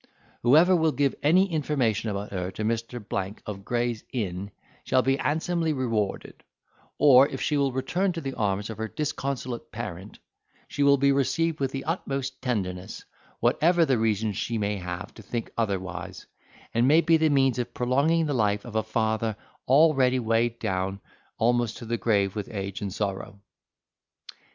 Whoever will give any information about her to Mr. — of Gray's Inn, shall be handsomely rewarded; or if she will return to the arms of her disconsolate parent, she will be received with the utmost tenderness, whatever reason she may have to think otherwise, and may be the means of prolonging the life of a father already weighed down almost to the grave with age and sorrow."